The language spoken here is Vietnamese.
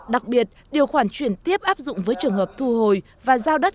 đặc biệt điều khoản chuyển tiếp áp dụng với trường hợp thu hồi và giao đất